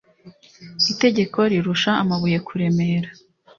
Itegeko rirusha amabuye kuremera